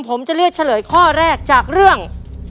ผมจะเลือกเฉลยข้อแรกจากเรื่อง